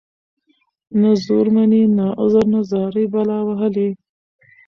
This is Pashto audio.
نه زور مــني نه عـذر نـه زارۍ بلا وهـلې.